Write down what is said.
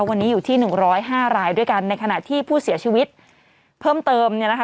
วันนี้อยู่ที่๑๐๕รายด้วยกันในขณะที่ผู้เสียชีวิตเพิ่มเติมเนี่ยนะคะ